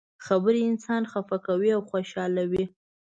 خبرې انسان خفه کوي او خوشحالوي.